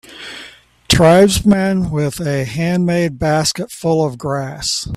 Tribesman with a handmade basket full of grass